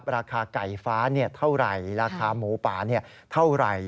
ราคาไก่ฟ้าเท่าไหร่ราคาหมูป่าเท่าไหร่